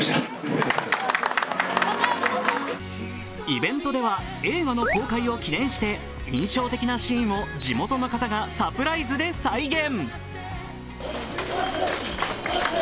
イベントでは映画の公開を記念して印象的なシーンを地元の方がサプライズで再現。